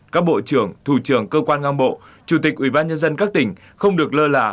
các bộ trưởng thủ trưởng cơ quan ngang bộ chủ tịch ủy ban nhân dân các tỉnh không được lơ là